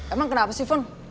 emang kenapa sih fon